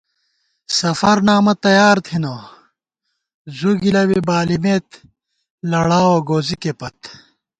سفرنامہ تیار تھنہ، زُو گِلہ بی بالِمېت لڑاوَہ گوزِکےپت